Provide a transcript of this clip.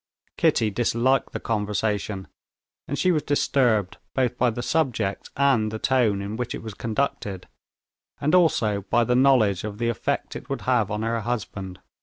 Kitty disliked the conversation, and she was disturbed both by the subject and the tone in which it was conducted, and also by the knowledge of the effect it would have on her husband.